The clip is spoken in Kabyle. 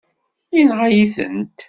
Yenɣa-yi-tent.